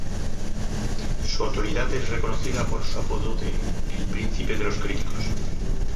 Su autoridad es reconocida por su apodo de "el príncipe de los críticos".